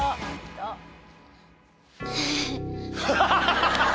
ハハハハ。